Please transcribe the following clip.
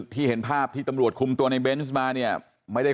ที่เห็นภาพที่ตำรวจคุมตัวในเบนส์มาเนี่ยไม่ได้